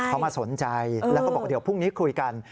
เขามาสนใจแล้วก็บอกเดี๋ยวพรุ่งนี้คุยกัน